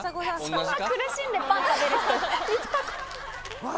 そんな苦しんでパン食べる人見たこと。